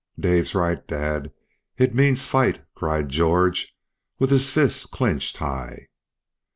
"Dave's right, dad, it means fight," cried George, with his fist clinched high.